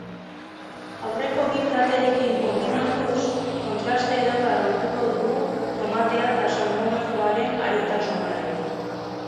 Aurreko bi platerekin konbinatuz, kontraste ederra lortuko dugu tomatea eta salmorejoaren arintasunarekin.